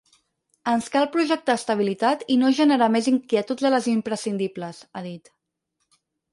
Ens cal projectar estabilitat i no generar més inquietuds de les imprescindibles, ha dit.